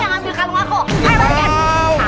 aku yang ambil kalung aku